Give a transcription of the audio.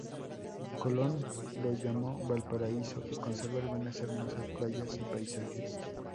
Colón la llamó Valparaíso, y conserva algunas hermosas playas y paisajes.